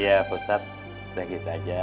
iya pak ustadz udah gitu aja